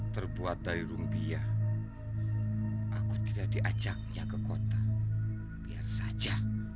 terbuat dari rumpia aku tidak diajaknya ke kota biar saja